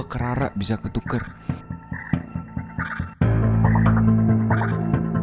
sampai jumpa di video selanjutnya